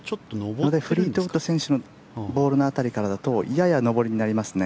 なのでフリートウッド選手のボールの辺りからだとやや上りになりますね。